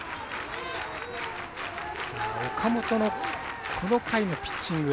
岡本のこの回のピッチング。